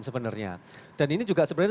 sebenarnya dan ini juga sebenarnya